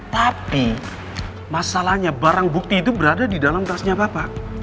tapi masalahnya barang bukti itu berada di dalam tasnya bapak